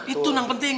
itu yang penting